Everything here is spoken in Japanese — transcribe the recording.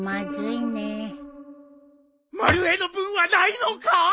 まる江の分はないのか？